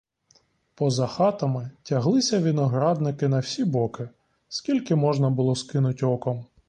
Поза хатами тяглися виноградники на всі боки, скільки можна було скинуть оком.